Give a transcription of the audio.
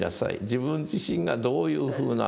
自分自身がどういうふうな。